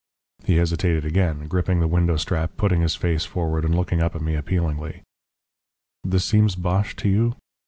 He hesitated again, gripping the window strap, putting his face forward and looking up at me appealingly. "This seems bosh to you?"